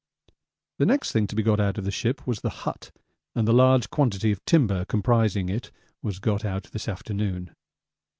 The next thing to be got out of the ship was the hut, and the large quantity of timber comprising it was got out this afternoon.